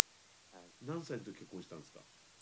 何歳の時結婚したんですか？